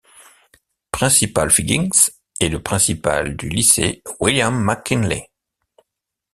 Principal Figgins est le principal du lycée William McKinley.